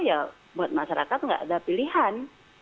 ya buat masyarakat nggak ada pilihan